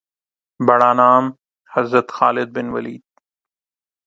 بڑا نام حضرت خالد بن ولید